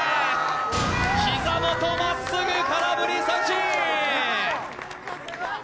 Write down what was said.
膝元まっすぐ、空振り三振！